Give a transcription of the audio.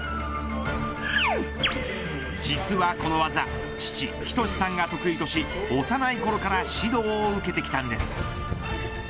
実はこの技父、仁さんが得意とし幼いころから指導を受けてきたんです。